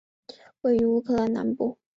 位于乌克兰南部。